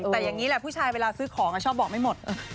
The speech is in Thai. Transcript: แต่อย่างนี้แหละผู้ชายเวลาซื้อของชอบบอกไม่หมด